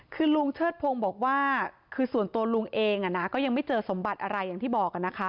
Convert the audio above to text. คือลุงเชิดพงศ์บอกว่าคือส่วนตัวลุงเองก็ยังไม่เจอสมบัติอะไรอย่างที่บอกนะคะ